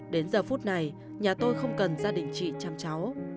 đến giờ phút này nhà tôi không cần gia đình chị chăm cháu